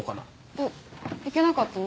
えっいけなかったの？